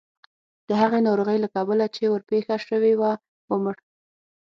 د هغې ناروغۍ له کبله چې ورپېښه شوې وه ومړ.